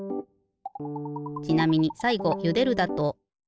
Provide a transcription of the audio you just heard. ちなみにさいごゆでるだと。